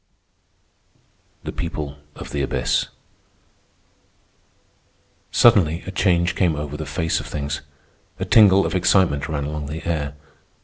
THE PEOPLE OF THE ABYSS Suddenly a change came over the face of things. A tingle of excitement ran along the air.